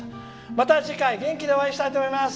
また次回元気でお会いしたいと思います。